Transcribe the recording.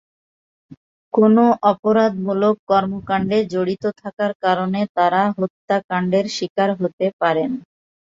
কোনো অপরাধমূলক কর্মকাণ্ডে জড়িত থাকার কারণে তাঁরা হত্যাকাণ্ডের শিকার হতে পারেন।